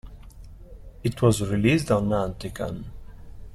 It was released on Anticon.